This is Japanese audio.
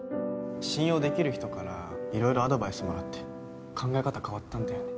信用できる人からいろいろアドバイスもらって考え方変わったんだよね。